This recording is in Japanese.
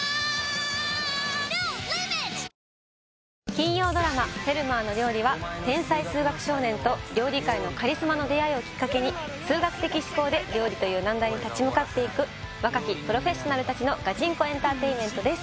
金曜ドラマ「フェルマーの料理」は天才数学少年と料理界のカリスマの出会いをきっかけに数学的思考で料理という難題に立ち向かっていく若きプロフェッショナル達の真剣勝負エンターテインメントです